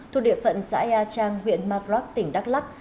thuộc địa phận xã ea trang huyện mark rock tỉnh đắk lắc